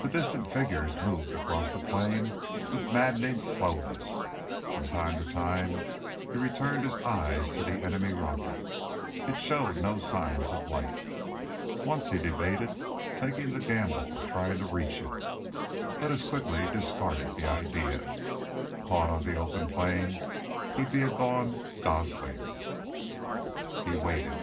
The distant figures moved across the plain with maddening slowness. From time to time he returned his eyes to the enemy rocket. It showed no signs of life. Once he debated taking the gamble of trying to reach it, but as quickly discarded the idea. Caught on the open plain and he'd be a gone gosling. He waited.